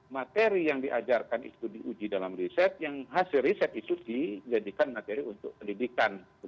materi yang diajarkan itu diuji dalam riset yang hasil riset itu dijadikan materi untuk pendidikan